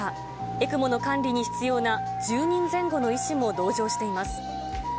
ＥＣＭＯの管理に必要な１０人前後の医師も同乗しています。